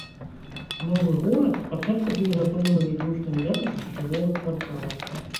Новы горад спачатку быў задуманы выключна ў якасці жылога квартала.